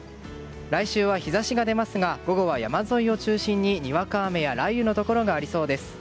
来週は日差しが出ますが午後は山沿いを中心ににわか雨や雷雨のところがありそうです。